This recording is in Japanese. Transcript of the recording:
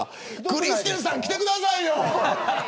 クリステルさんきてくださいよ。